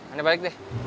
anda balik deh